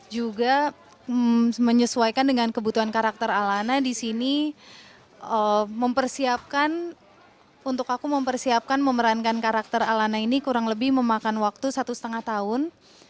juga menyesuaikan dengan kebutuhan karakter alana di sini mempersiapkan untuk aku mempersiapkan memerankan karakter alana ini kurang lebih memakan waktu satu lima tahun